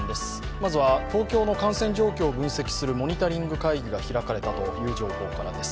まずは東京の感染状況を分析するモニタリング会議が開かれたという情報からです。